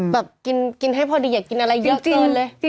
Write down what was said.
แบบกินให้พอดีอย่ากินอะไรเยอะเกินเลย